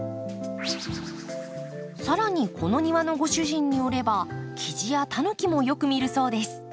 更にこの庭のご主人によればキジやタヌキもよく見るそうです。